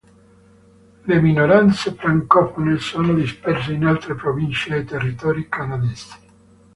Le minoranze francofone sono disperse in altre province e territori canadesi.